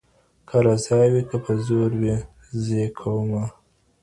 که رضا وي که په زور وي زې کوومه